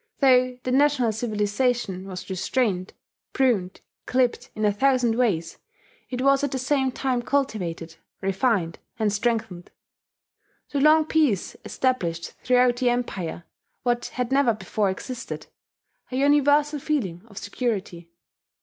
Though the national civilization was restrained, pruned, clipped in a thousand ways, it was at the same time cultivated, refined, and strengthened. The long peace established throughout the Empire what had never before existed, a universal feeling of security.